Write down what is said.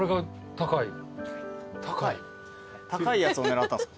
高いやつを狙ったんすか。